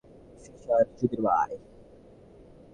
Fisher, চুদির ভাই!